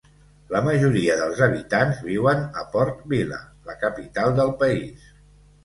La majoria dels habitants viuen a Port Vila, la capital del país.